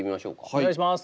お願いします。